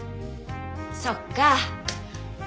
そっか。